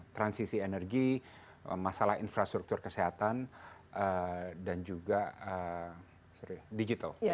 transisi energi masalah infrastruktur kesehatan dan juga digital